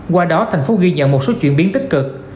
qua đó tp hcm ghi nhận một số chuyển biến tích cực